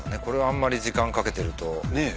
これはあんまり時間かけてると。